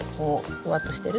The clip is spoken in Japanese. ふわっとしてる？